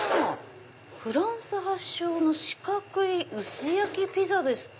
フランス発祥の四角い薄焼きピザですって。